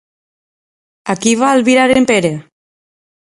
A qui va albirar en Pere?